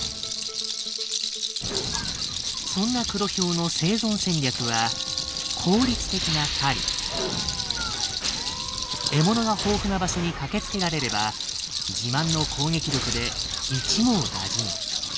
そんなクロヒョウの生存戦略は獲物が豊富な場所に駆けつけられれば自慢の攻撃力で一網打尽。